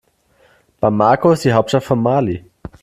Bamako ist die Hauptstadt von Mali.